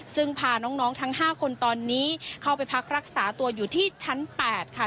ซึ่งพาน้องทั้ง๕คนตอนนี้เข้าไปพักรักษาตัวอยู่ที่ชั้น๘ค่ะ